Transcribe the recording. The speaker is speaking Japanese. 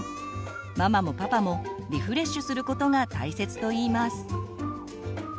ママもパパもリフレッシュすることが大切といいます。